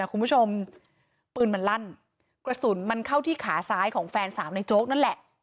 คุณผู้ชมปืนมันลั่นกระสุนมันเข้าที่ขาซ้ายของแฟนสาวในโจ๊กนั่นแหละ